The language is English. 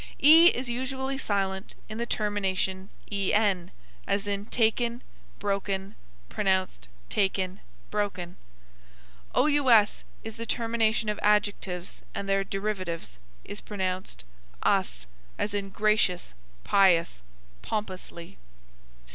E is usually silent in the termination en; as in taken, broken; pronounced takn, brokn. OUS, in the termination of adjectives and their derivatives, is pronounced us; as is gracious, pious, pompously.